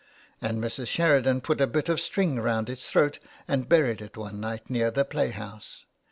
And Mrs. Sheridan put a bit of string round its throat and buried it one night near the playhouse.